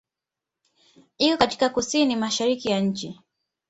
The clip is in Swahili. Iko katika kusini-mashariki ya nchi.